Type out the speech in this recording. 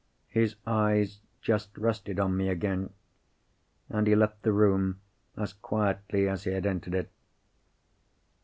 His eyes just rested on me again—and he left the room as quietly as he had entered it.